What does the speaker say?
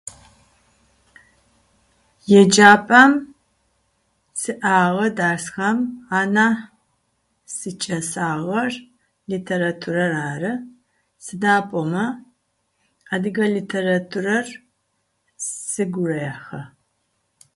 Еджапӏэм сиӏагъэ дэрсхэм анахь сикӏэсагъэр литературэр ары, сыда пӏомэ адыгэ литературэр сыгу рехьы.